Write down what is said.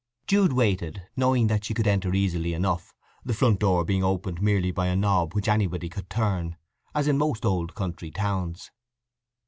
Jude waited, knowing that she could enter easily enough, the front door being opened merely by a knob which anybody could turn, as in most old country towns.